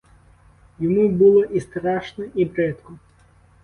Йому було і страшно і бридко!